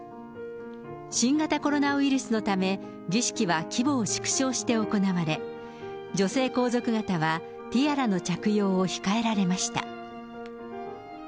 新型コロナウイルスのため、儀式は規模を縮小して行われ、女性皇族方はティアラの着用を控えられました。